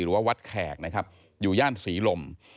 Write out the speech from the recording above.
หรือว่าวัดแขกนะครับอยู่ย่านศรีลม